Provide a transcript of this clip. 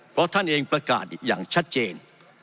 เพราะท่านเองประกาศอย่างชัดเจน